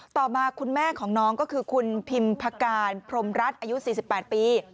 ต่อมาคุณแม่ของน้องก็คือคุณพิมพการพรมรัฐอายุ๔๘ปี